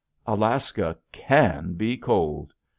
Alaska can be cold!